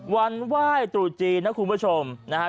วันไหว้ตรุษจีนนะคุณผู้ชม